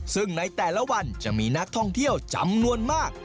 ซึ่งในแต่ละวันจะมีนักท่องเที่ยวจำนวนมาก